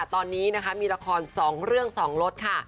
ตอนนี้นะคะมีละคร๒เรื่อง๒ลดค่ะ